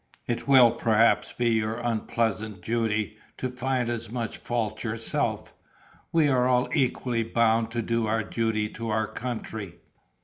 "It will perhaps be your unpleasant duty to find as much fault yourself; we are all equally bound to do our duty to our country.